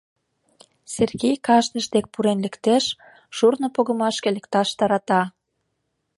Сергей кажныж дек пурен лектеш, шурно погымашке лекташ тарата.